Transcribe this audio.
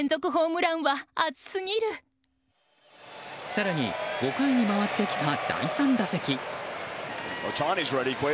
更に、５回に回ってきた第３打席。